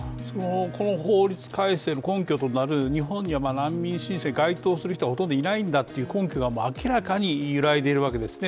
この法律改正の根拠となる日本には難民申請に該当する人がほとんどいないっていう根拠が明らかに揺らいでいるわけですね。